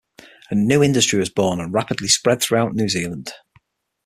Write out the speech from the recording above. A new industry was born and rapidly spread throughout New Zealand.